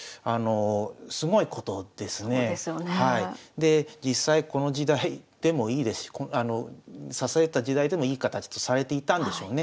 で実際この時代でもいい指された時代でもいい形とされていたんでしょうね。